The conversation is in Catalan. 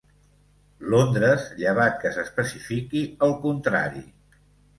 Londres, llevat que s'especifiqui el contrari.